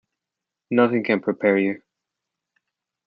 Nothing can prepare you.